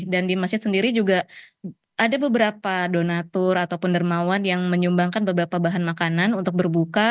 di masjid sendiri juga ada beberapa donatur ataupun dermawan yang menyumbangkan beberapa bahan makanan untuk berbuka